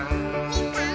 みかん。